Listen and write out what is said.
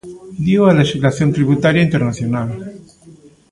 Dío a lexislación tributaria internacional.